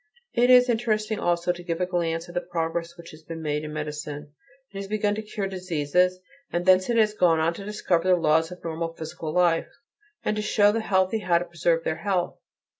It is interesting also to give a glance at the progress which has been made in medicine; it has begun to cure diseases; and thence it has gone on to discover the laws of normal physical life, and to show the healthy how to preserve their health.